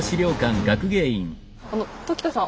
あの時田さん